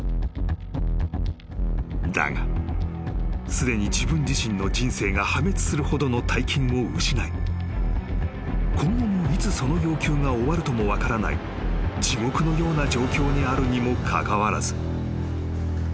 ［だがすでに自分自身の人生が破滅するほどの大金を失い今後もいつその要求が終わるとも分からない地獄のような状況にあるにもかかわらず］